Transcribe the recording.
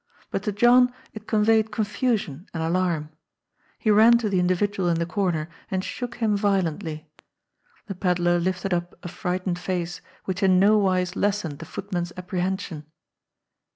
But to John it conveyed confusion and alarm. He ran to the individual in the corner and shook him violently. The pedlar lifted up a frightened face, which in no wise lessened the footman's apprehension.